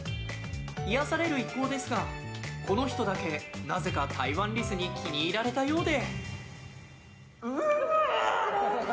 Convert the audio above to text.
癒やされる一行ですがこの人だけなぜかタイワンリスに気に入られたようで。